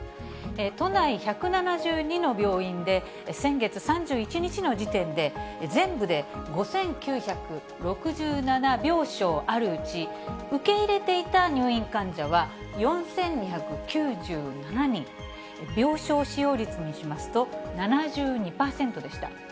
都内１７２の病院で、先月３１日の時点で、全部で５９６７病床あるうち、受け入れていた入院患者は４２９７人、病床使用率にしますと７２％でした。